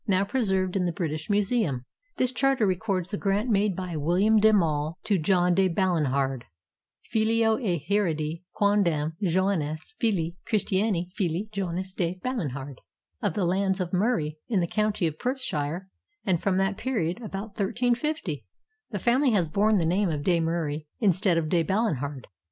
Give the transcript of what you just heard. now preserved in the British Museum. This charter records the grant made by William de Maule to John de Balinhard, filio et heredi quondam Joannis filii Christini filii Joannis de Balinhard, of the lands of Murie, in the county of Perthshire, and from that period, about 1350, the family has borne the name of De Murie instead of De Balinhard.